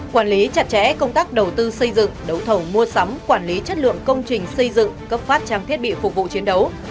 quản lý chặt chẽ công tác đầu tư xây dựng đấu thầu mua sắm quản lý chất lượng công trình xây dựng cấp phát trang thiết bị phục vụ chiến đấu